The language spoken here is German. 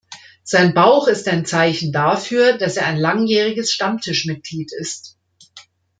Sein Bauch ist ein Zeichen dafür, dass er ein langjähriges Stammtischmitglied ist.